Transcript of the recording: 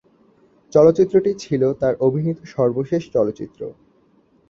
চলচ্চিত্রটি ছিল তার অভিনীত সর্বশেষ চলচ্চিত্র।